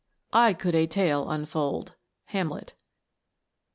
I could a Tale unfold." Hamlet.